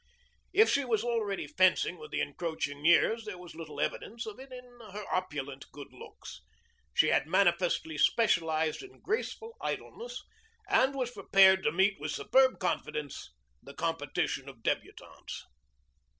If she was already fencing with the encroaching years there was little evidence of it in her opulent good looks. She had manifestly specialized in graceful idleness and was prepared to meet with superb confidence the competition of débutantes.